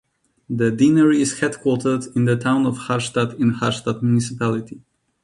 The deanery is headquartered in the town of Harstad in Harstad Municipality.